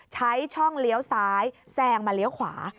ใช้ช่องเลี้ยวซ้ายแซงมาเลี้ยวขวา